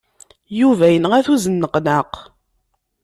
Yuba yenɣa-t uzenneqnaq.